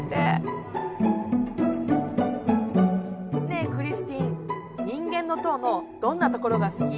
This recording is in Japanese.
ねえクリスティン「人間の塔」のどんなところが好き？